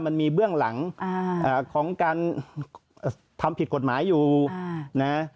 มันมีเบื้องหลังของการทำผิดกฎหมายอยู่นะ